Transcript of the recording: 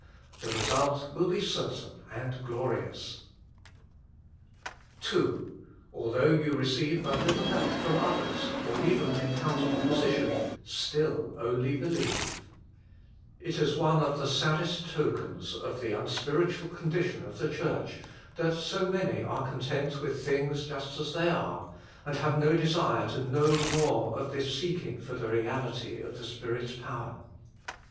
The result will be certain and glorious. 144 THE FULL BLESSING OF PENTECOST II Although you receive but little help from others, or even encounter opposition, still :" only believe" It is one of the saddest tokens of the un spiritual condition of the Church that so many are content with things just as they are, and have no desire to know more of this seeking for the reality of the Spirit s power.